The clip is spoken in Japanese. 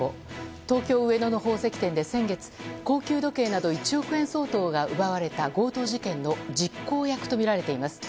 東京・上野の宝石店で先月高級時計など１億円相当が奪われた強盗事件の実行役とみられています。